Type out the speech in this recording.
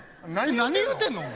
何言うてんのお前。